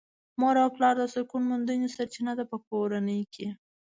مور او پلار د سکون موندلې سرچينه ده په کورنۍ کې .